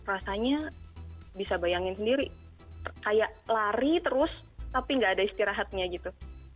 rasanya bisa bayangin sendiri kayak lari terus tapi nggak ada istirahatnya gitu